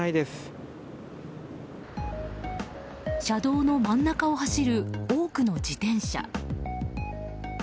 車道の真ん中を走る多くの自転車。